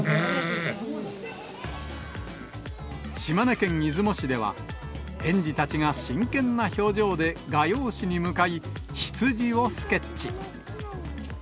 島根県出雲市では、園児たちが真剣な表情で画用紙に向かい、羊をスケッチ。